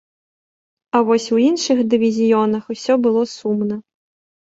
А вось у іншых дывізіёнах усё было сумна.